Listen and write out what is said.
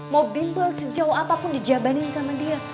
mau bimbel sejauh apapun dijabanin sama dia